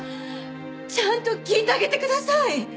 ちゃんと聞いてあげてください！